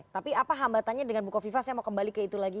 tapi apa hambatannya dengan buko viva saya mau kembali ke itu lagi